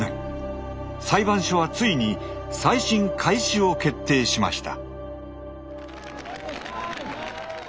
裁判所はついに再審開始を決定しました。